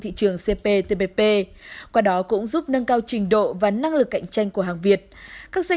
thị trường cptpp qua đó cũng giúp nâng cao trình độ và năng lực cạnh tranh của hàng việt các doanh